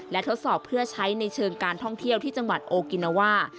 และทดสอบเพื่อใช้ในเชิงการท่องเที่ยวที่จังหวัดโอกินาว่า